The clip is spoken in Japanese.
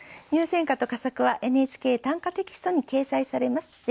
入選歌と佳作は「ＮＨＫ短歌テキスト」に掲載されます。